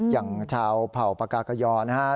อย่างชาวเผ่าปากากยอร์นะครับ